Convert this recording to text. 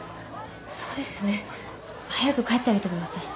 そうですね早く帰ってあげてください。